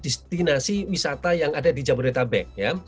destinasi wisata yang ada di jabodetabek